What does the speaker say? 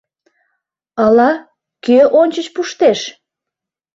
Ала, кӧ ончыч пуштеш!